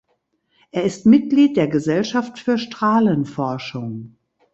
Er ist Mitglied der Gesellschaft für Strahlenforschung.